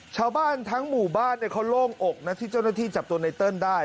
ชาวบ้านทั้งหมู่บ้านเขาโล่งอกนะที่เจ้าหน้าที่จับตัวไนเติ้ลได้